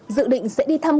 dự định sẽ đi thăm